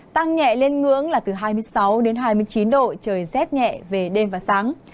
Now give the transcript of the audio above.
tăng nhẹ lên ngưỡng là từ hai mươi sáu đến hai mươi chín độ trời rét nhẹ về đêm và sáng